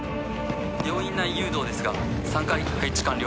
病院内誘導ですが３階配置完了。